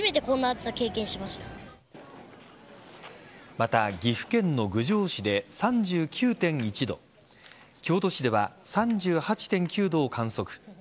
また岐阜県の郡上市で３９．１度京都市では３８．９度を観測。